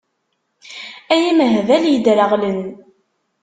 Ay imehbal yedreɣlen!